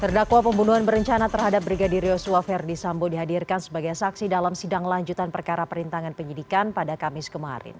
terdakwa pembunuhan berencana terhadap brigadir yosua verdi sambo dihadirkan sebagai saksi dalam sidang lanjutan perkara perintangan penyidikan pada kamis kemarin